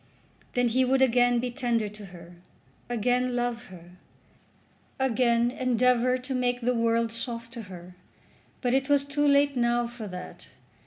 Then he would again be tender to her, again love her, again endeavour to make the world soft to her. But it was too late now for that.